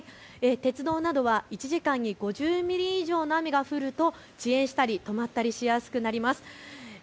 鉄道などは１時間に５０ミリ以上の雨が降ると遅延したり止まったりしやすくなります。